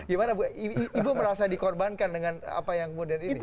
gimana ibu merasa dikorbankan dengan apa yang kemudian ini